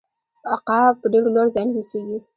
عقاب په ډیرو لوړو ځایونو کې اوسیږي